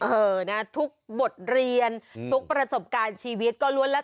เออนะทุกบทเรียนทุกประสบการณ์ชีวิตก็ล้วนแล้ว